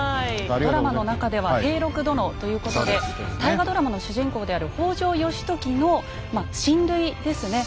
ドラマの中では平六殿ということで大河ドラマの主人公である北条義時の親類ですね。